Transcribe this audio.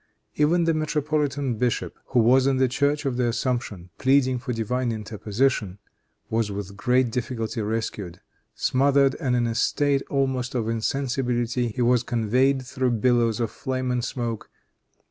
Even the metropolitan bishop, who was in the church of the Assumption, pleading for divine interposition, was with great difficulty rescued. Smothered, and in a state almost of insensibility, he was conveyed through billows of flame and smoke.